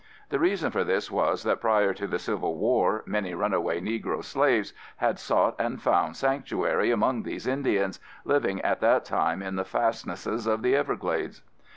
The reason for this was that prior to the Civil War many run away Negro slaves had sought and found sanctuary among these Indians, living at that time in the fastnesses of the Everglades.